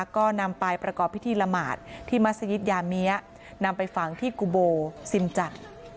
ก็นำไปประกอบพิธีละหมาดที่มัศยิตยาเมียนำไปฝังที่กุโบซิมจักร